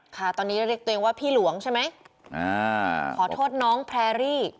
ค่ะตอนนี้เรียกตัวเองว่าพี่หลวงใช่ไหมอ่าขอโทษน้องแพรรี่